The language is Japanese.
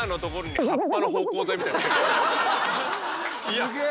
すげえ！